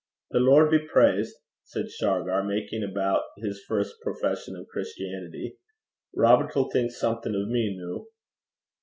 'The Lord be praised!' said Shargar, making about his first profession of Christianity. 'Robert 'ill think something o' me noo.'